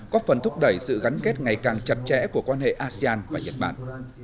có phần thúc đẩy sự gắn kết ngày càng chặt chẽ của quan hệ asean và nhật bản